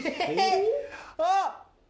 あっ。